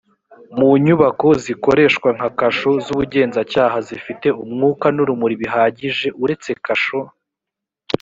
mu nyubako zikoreshwa nka kasho z ubugenzacyaha zifite umwuka n urumuri bihagije uretse kasho